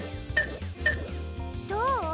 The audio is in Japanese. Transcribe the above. どう？